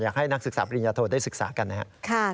นักศึกษาปริญญาโทได้ศึกษากันนะครับ